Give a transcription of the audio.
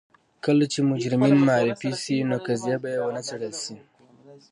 که مجرمین معرفي شي نو قضیه به یې ونه څېړل شي.